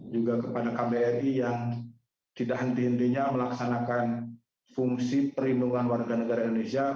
juga kepada kbri yang tidak henti hentinya melaksanakan fungsi perlindungan warga negara indonesia